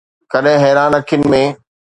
ڪڏهن حيران اکين ۾